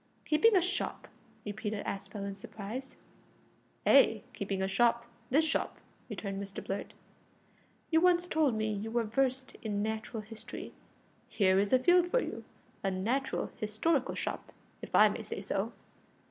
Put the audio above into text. "Keeping a shop!" repeated Aspel in surprise. "Ay, keeping a shop this shop," returned Mr Blurt; "you once told me you were versed in natural history; here is a field for you: a natural historical shop, if I may say so."